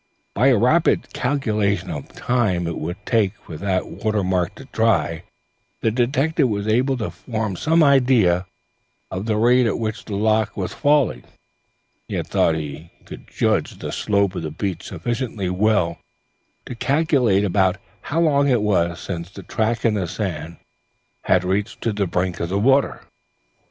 By a rapid calculation of the time it would take for that watermark to dry, the detective was able to form some idea of the rate at which the loch was falling, and he thought he could judge the slope of the beach sufficiently well to calculate about how long it was since the track in the sand had reached to the brink of the waves.